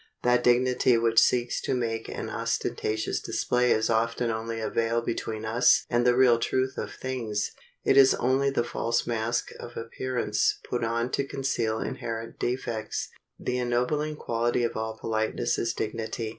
That dignity which seeks to make an ostentatious display is often only a veil between us and the real truth of things. It is only the false mask of appearance put on to conceal inherent defects. The ennobling quality of all politeness is dignity.